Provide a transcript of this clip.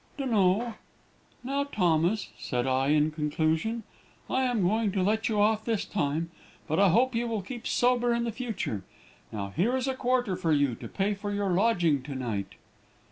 "'Dun'no.' "'Now, Thomas,' said I, in conclusion, 'I am going to let you off this time, but I hope you will keep sober in the future. Now, here is a quarter for you, to pay for your lodging to night.'